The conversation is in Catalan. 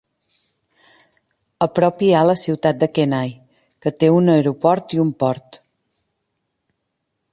A prop hi ha la ciutat de Kenai que té un aeroport i un port.